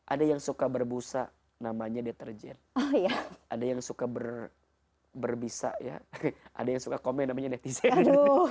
ada yang suka berbusa namanya deterjen ada yang suka berbisa ya ada yang suka komen namanya netizen